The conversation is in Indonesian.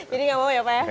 jadi gak mau ya pak ya